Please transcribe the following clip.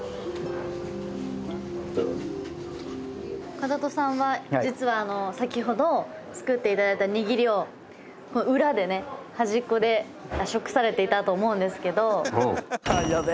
風戸さんは実は先ほど作っていただいたにぎりを裏でね端っこで食されていたと思うんですけどオウ！